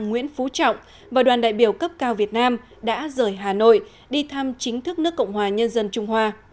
nguyễn phú trọng và đoàn đại biểu cấp cao việt nam đã rời hà nội đi thăm chính thức nước cộng hòa nhân dân trung hoa